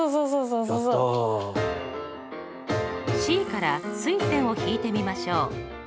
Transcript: Ｃから垂線を引いてみましょう。